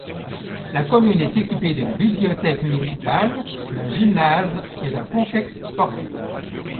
La commune est équipée d’une bibliothèque municipale, d’un gymnase et d’un complexe sportif.